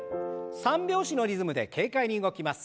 三拍子のリズムで軽快に動きます。